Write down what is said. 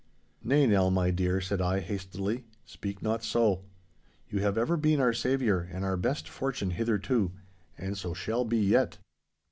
'Nay, Nell, my dear,' said I, hastily, 'speak not so. You have ever been our saviour and our best fortune hitherto, and so shall be yet.